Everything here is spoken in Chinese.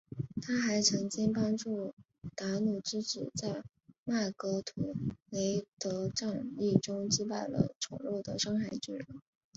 她还曾经帮助达努之子在麦格图雷德战役中击败了丑陋的深海巨人。